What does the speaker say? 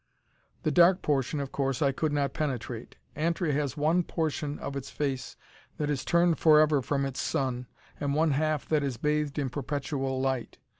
The dark portion, of course, I could not penetrate. Antri has one portion of its face that is turned forever from its sun, and one half that is bathed in perpetual light.